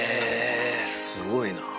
すごいなぁ。